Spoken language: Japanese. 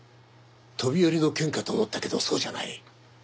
飛び降りの件かと思ったけどそうじゃない。